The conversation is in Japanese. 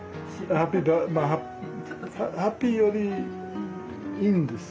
ハッピーよりいいんですよ。